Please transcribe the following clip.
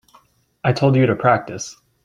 I told you to practice.